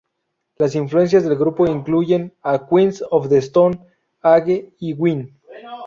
Las influencias del grupo incluyen a Queens of the Stone Age y Ween.